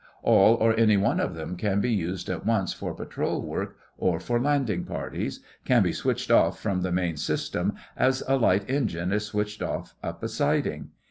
All or any one of them can be used at once for patrol work or for landing parties, can be switched off from the main system, as a light engine is switched off up a siding.